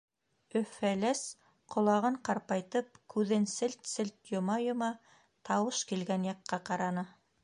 Өф-Фәләс ҡолағын ҡарпайтып, күҙен селт-селт йома-йома тауыш килгән яҡҡа ҡараны.